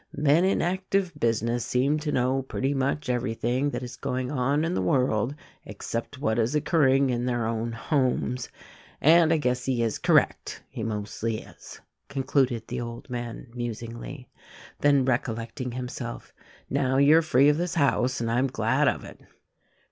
men in active business seem to know pretty much everything that is going on in the world except what is occurring in their own homes,' and I guess he is correct — he mostly is," con cluded the old man musingly. Then recollecting himself, "Now you are free of this house, and I am glad of it."